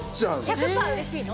１００パーうれしいの？